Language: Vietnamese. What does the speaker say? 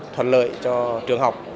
thuận lợi cho trường học